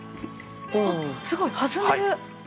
すごい弾んでる。